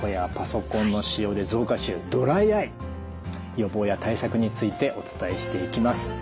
予防や対策についてお伝えしていきます。